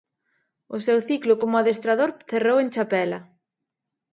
O seu ciclo como adestrador cerrou en Chapela.